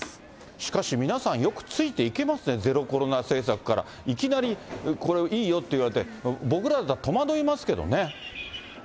しかし皆さん、よくついていけますね、ゼロコロナ政策からいきなりこれ、いいよって言われて、僕らだったら戸惑いますけどね。